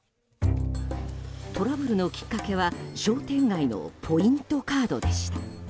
トラブルのきっかけは商店街のポイントカードでした。